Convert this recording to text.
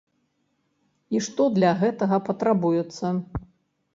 І што для гэтага патрабуецца?